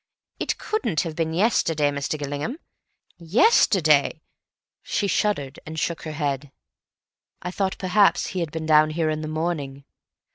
"It couldn't have been yesterday, Mr. Gillingham. Yesterday—" she shuddered, and shook her head. "I thought perhaps he had been down here in the morning."